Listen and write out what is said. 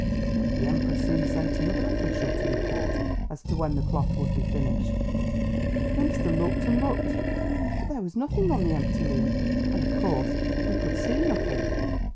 The Emperor soon sent another official to report as to when the cloth would be finished. The minister looked and looked, but there was nothing on the empty loom and of course he could see nothing.